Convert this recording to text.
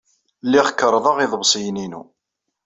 Lliɣ kerrḍeɣ iḍebsiyen-inu.